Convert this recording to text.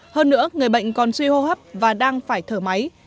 hơn nữa người bệnh còn suy hô hấp và đang phải thở máy